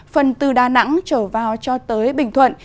phần từ đà nẵng trở vào cho tới bình thuận